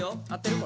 これ。